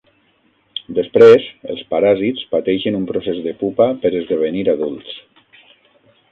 Després els paràsits pateixen un procés de pupa per esdevenir adults.